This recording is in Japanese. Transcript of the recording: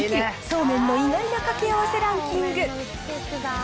そうめんの意外なかけ合わせランキング。